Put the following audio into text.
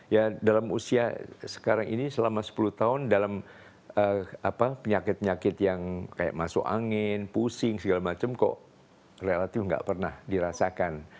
ya dalam usia sekarang ini selama sepuluh tahun dalam penyakit penyakit yang masuk angin pusing segala macam kok relatif nggak pernah dirasakan